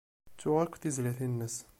Ttuɣ akk tizlatin-nnes.